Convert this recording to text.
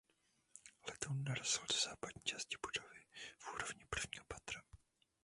Letoun narazil do západní části budovy v úrovni prvního patra.